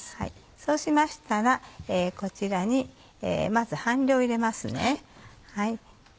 そうしましたらこちらにまず半量を入れますね。